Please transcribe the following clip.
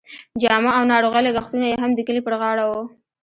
جامه او ناروغۍ لګښتونه یې هم د کلي پر غاړه وو.